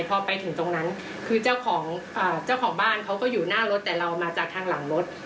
พอไปถึงตรงนั้นคือเจ้าของเจ้าของบ้านเขาก็อยู่หน้ารถแต่เรามาจากทางหลังรถ